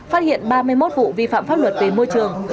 phát hiện ba mươi một vụ vi phạm pháp luật về môi trường